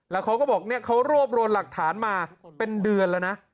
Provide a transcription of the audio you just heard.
แล้วเขาก็บอกเนี่ยเขารวบรวมหลักฐานมาเป็นเดือนแล้วนะ